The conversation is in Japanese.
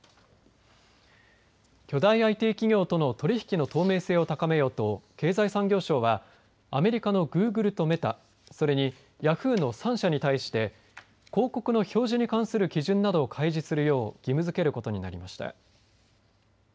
巨大ＩＴ企業との取り引きの透明性を高めようと経済産業省はアメリカのグーグルとメタそれに、ヤフーの３社に対して広告の表示に関する基準などを開示するよう義務づけることになりました。